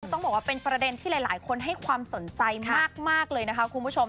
ต้องบอกว่าเป็นประเด็นที่หลายคนให้ความสนใจมากเลยนะคะคุณผู้ชม